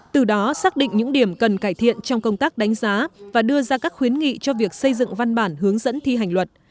từ đó xác định những điểm cần cải thiện trong công tác đánh giá và đưa ra các khuyến nghị cho việc xây dựng văn bản hướng dẫn thiết